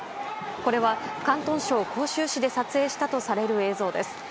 これは広東省広州市で撮影したとされる映像です。